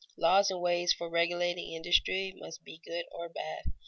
Laws and ways for regulating industry may be good or bad.